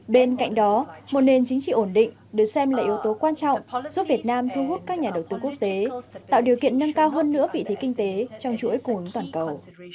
bên cạnh đó một nền chính trị ổn định được xem là yếu tố quan trọng giúp việt nam thu hút các nhà đầu tư quốc tế tạo điều kiện nâng cao hơn nữa vị thế kinh tế trong chuỗi cung ứng toàn cầu